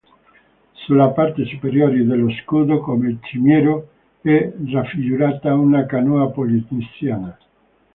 Sulla parte superiore dello scudo come cimiero è raffigurata una canoa polinesiana.